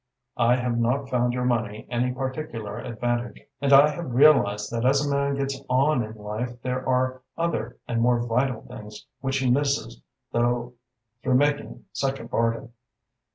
I have not found your money any particular advantage, and I have realised that as a man gets on in life there are other and more vital things which he misses though making such a bargain.